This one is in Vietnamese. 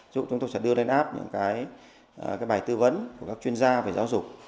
ví dụ chúng tôi sẽ đưa lên app những cái bài tư vấn của các chuyên gia về giáo dục